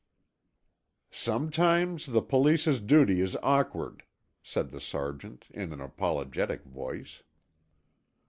"Sometimes the police's duty is awkward," said the sergeant in an apologetic voice.